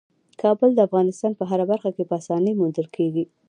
کابل د افغانستان په هره برخه کې په اسانۍ موندل کېږي.